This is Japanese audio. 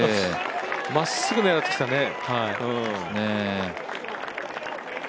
まっすぐ狙ってきたね。